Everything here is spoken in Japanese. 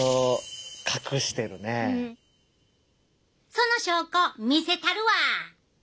その証拠見せたるわ。